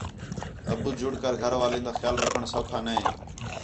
ابو جُڑ کر گھر والیں تا خیال رکھݨ سَوکھا نے